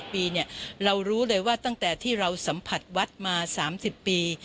ปีเนี่ยเรารู้เลยว่าตั้งแต่ที่เราสัมผัสวัดมา๓๐ปี